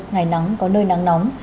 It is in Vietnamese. ngày nắng có nơi nắng nóng